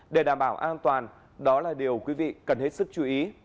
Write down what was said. để đảm bảo an toàn đó là điều quý vị cần hết sức chú ý